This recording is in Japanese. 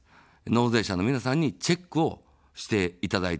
納税者の皆さんにチェックをしていただいていると。